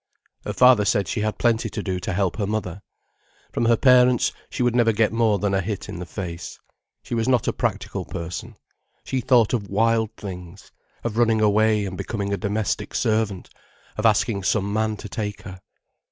Her father said she had plenty to do to help her mother. From her parents she would never get more than a hit in the face. She was not a practical person. She thought of wild things, of running away and becoming a domestic servant, of asking some man to take her.